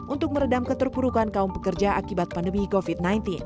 untuk meredam keterpurukan kaum pekerja akibat pandemi covid sembilan belas